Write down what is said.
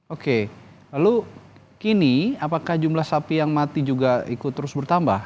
oke lalu kini apakah jumlah sapi yang mati juga ikut terus bertambah